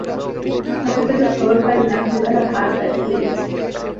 ভট্টাচার্য খবর পাইলেন, আপিলে তাঁহার হার হইয়াছে।